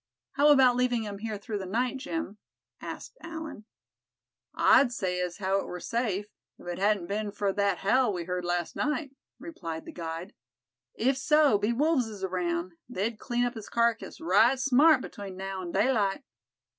"How about leaving him here through the night, Jim?" asked Allan. "I'd say as how it war safe, if it hadn't be'n fur thet howl we heard last night," replied the guide. "If so be wolves is aroun', they'd clean up this carcase right smart between now an' daylight."